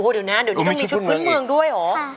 เดี๋ยวนะเดี๋ยวนี้ต้องมีชุดพื้นเมืองด้วยเหรอ